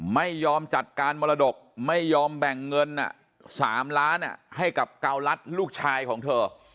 ไม่ยอมจัดการมรดกไม่ยอมแบ่งเงิน๓ล้านให้กับเการัฐลูกชายของเธอ